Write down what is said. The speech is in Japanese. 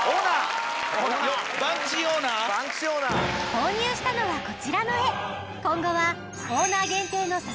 購入したのはこちらの絵今後は